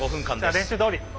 じゃあ練習どおり。